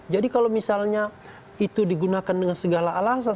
jadi kalau misalnya itu digunakan dengan segala alasan